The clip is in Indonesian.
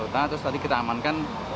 terus tadi kita amankan